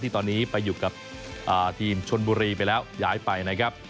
ตอนนี้ไปอยู่กับทีมชนบุรีไปแล้วย้ายไปนะครับ